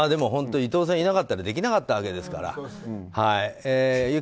伊藤さんいなかったらできなかったわけですから。